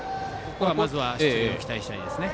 まずは出塁を期待したいですね。